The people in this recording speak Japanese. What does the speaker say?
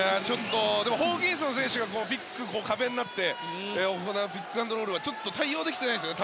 ホーキンソン選手が壁になって行うピックアンドロールに対応できていないですよね